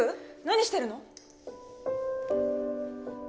何してるの？